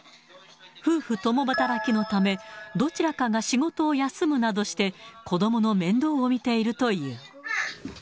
夫婦共働きのため、どちらかが仕事を休むなどして、子どもの面倒を見ているという。